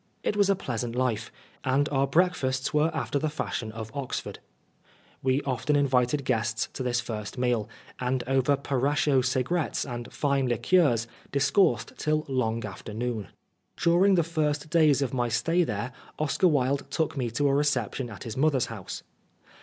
It was a pleasant life, and our breakfasts were after the fashion of Oxford. We often invited guests to this first meal, and over Parascho cigarettes and fine liqueurs dis coursed till long after noon. During the 86 Oscar Wilde first days of my stay there Oscar Wilde took me to a reception at his mother's house.